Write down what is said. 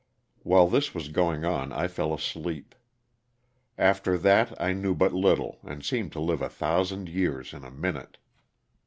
While this was going on I fell asleep. After that I knew but little and seemed to live a thousand years in a minute.